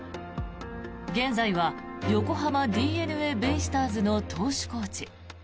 現在は横浜ＤｅＮＡベイスターズの投手コーチ。